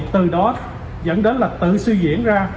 từ đó dẫn đến là tự suy diễn ra